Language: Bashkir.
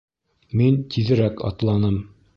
Мин тиҙерәк атланым.